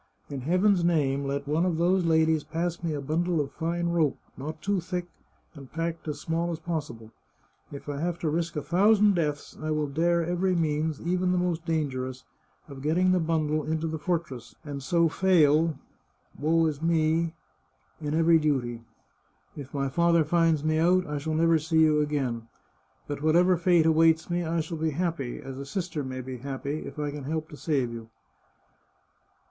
In Heaven's name, let one of those ladies pass me a bundle of fine rope, not too thick, and packed as small as possible. If I have to risk a thousand deaths, I will dare every means, even the most dangerous, of getting the bundle into the for tress, and so fail, woe is me, in every duty. If my father finds me out, I shall never see you again. But whatever fate awaits me, I shall be happy, as a sister may be happy, if I can help to save you."